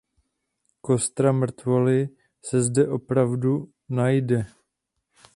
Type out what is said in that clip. Kostra mrtvoly se zde opravdu najde.